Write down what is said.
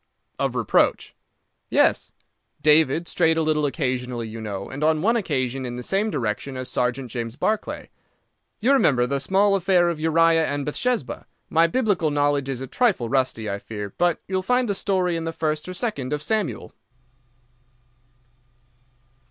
"Of reproach?" "Yes; David strayed a little occasionally, you know, and on one occasion in the same direction as Sergeant James Barclay. You remember the small affair of Uriah and Bathsheba? My biblical knowledge is a trifle rusty, I fear, but you will find the story in the first or second of Samuel."